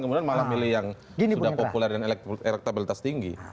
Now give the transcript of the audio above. kemudian malah milih yang sudah populer dengan elektabilitas tinggi